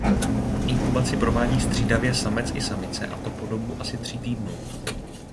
Inkubaci provádí střídavě samec i samice a to po dobu asi tří týdnů.